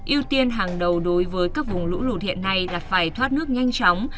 yêu tiên hàng đầu đối với các vùng lũ lụt hiện nay là phải thoát nước nhanh chóng